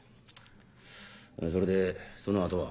それでその後は？